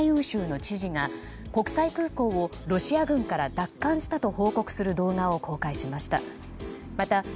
州の知事が国際空港をロシア軍から奪還したと報告する動画を公開しました。